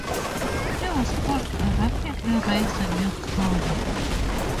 He was called a "rapidly rising newcomer".